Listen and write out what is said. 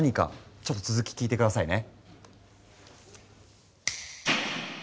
ちょっと続き聞いて下さいね。